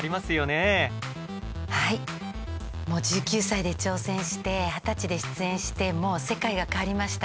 １９歳で挑戦して２０歳で出演してもう世界が変わりました。